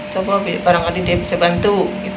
coba barangkali dia bisa bantu